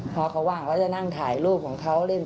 พอเขาว่างก็จะนั่งถ่ายรูปของเขา